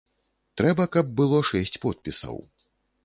Трэба каб было шэсць подпісаў.